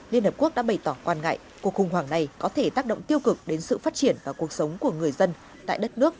liên hợp quốc đã bày tỏ quan ngại cuộc khủng hoảng này có thể tác động tiêu cực đến sự phát triển và cuộc sống của người dân tại đất nước